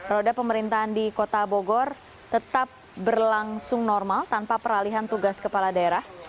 roda pemerintahan di kota bogor tetap berlangsung normal tanpa peralihan tugas kepala daerah